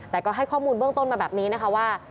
แต่ก็ให้ข้อมูลเบื้องต้นมาแบบนี้นะคะว่า